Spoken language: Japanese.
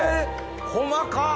細かっ！